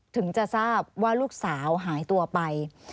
ถึงจะทราบว่าลูกสาวหายตัวไป